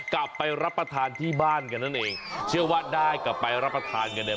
กลับไปรับประทานที่บ้านกันนั่นเองเชื่อว่าได้กลับไปรับประทานกันเนี่ย